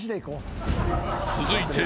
［続いて］